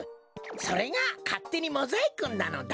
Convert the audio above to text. それがかってにモザイクンなのだ。